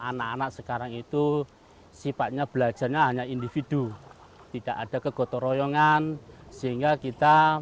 anak anak sekarang itu sifatnya belajarnya hanya individu tidak ada kegotoroyongan sehingga kita